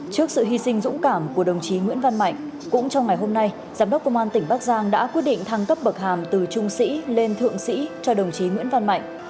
trước sự hy sinh dũng cảm của đồng chí nguyễn văn mạnh cũng trong ngày hôm nay giám đốc công an tỉnh bắc giang đã quyết định thăng cấp bậc hàm từ trung sĩ lên thượng sĩ cho đồng chí nguyễn văn mạnh